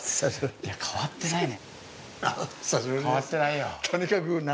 変わってないね。